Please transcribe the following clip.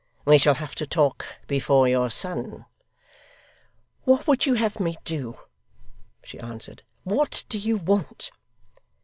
'We shall have to talk before your son.' 'What would you have me do?' she answered. 'What do you want?